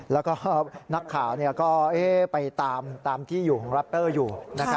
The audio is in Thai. แล้วก็นักข่าวก็ไปตามที่อยู่ของแรปเปอร์อยู่